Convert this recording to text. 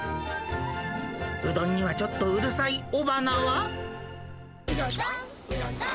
うどんにはちょっとうるさい尾花は。